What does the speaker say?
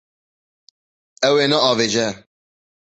Ew ê neavêje.